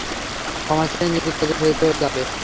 ক্ষমা চেয়ে নিয়ে কাজে ফেরত যাবে।